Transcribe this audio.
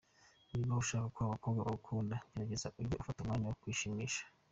Niba ushaka ko abakobwa bagukunda, gerageza ujye ufata umwanya wo kwishimisha.